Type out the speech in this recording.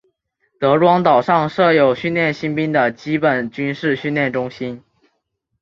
德光岛上设有训练新兵的基本军事训练中心。